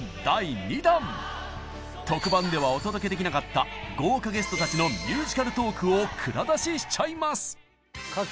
特番ではお届けできなかった豪華ゲストたちのミュージカルトークを蔵出ししちゃいます！